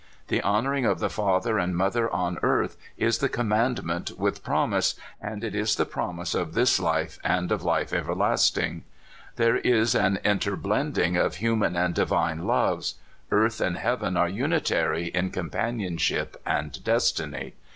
The honoring of the father and mother on earth is the commandment with promise, and it is the promise of this life and of life everlasting. 202 CALIFORNIA SKETCHES. There is an interblending of human and divine loves; earth and heaven are unitary in compan ionship and destiny.